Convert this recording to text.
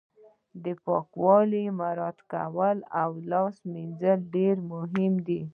د پاکوالي مراعت کول او لاس مینځل ډیر مهم دي